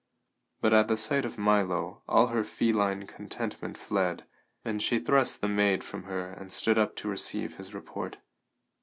But at sight of Milo all her feline contentment fled, and she thrust the maid from her and stood up to receive his report.